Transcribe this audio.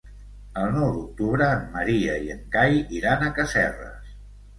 El nou d'octubre en Maria i en Cai iran a Casserres.